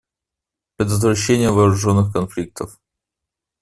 Предотвращение вооруженных конфликтов.